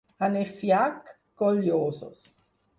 A Nefiac, gollosos.